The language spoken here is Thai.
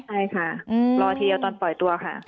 ใช่ค่ะรอทีเดียวตอนปล่อยตัวค่ะ